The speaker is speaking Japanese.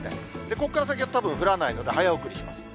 ここから先はたぶん、降らないので早送りします。